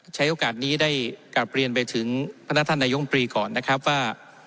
ใช้โอกาสนี้ได้กลับเรียนไปถึงพนักท่านนายมปรีก่อนนะครับว่า